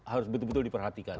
harus betul betul diperhatikan